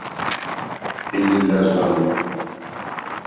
Èlèlà rzàlì.